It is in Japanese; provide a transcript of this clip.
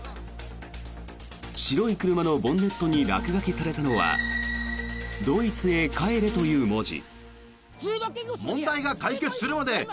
白い車のボンネットに落書きされたのは「ドイツへ帰れ」という文字。